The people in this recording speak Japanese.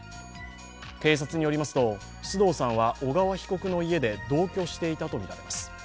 警察によりますと須藤さんは小川被告の家で同居していたとみられます。